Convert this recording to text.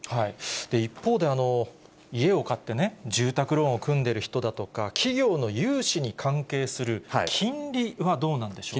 一方で、家を買ってね、住宅ローンを組んでる人だとか、企業の融資に関係する金利はどうなんでしょうか。